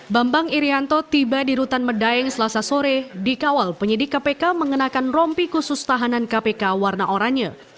bambang irianto tiba di rutan medaeng selasa sore di kawal penyidik kpk mengenakan rompi khusus tahanan kpk warna oranye